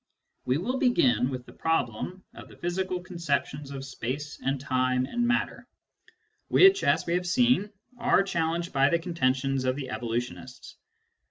We will begin with the problem of the physical con ceptions of space and time and matter, which, as we have seen, are challenged by the contentions of the evolutionists.